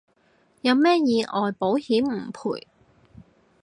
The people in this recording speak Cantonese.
有咩意外保險唔賠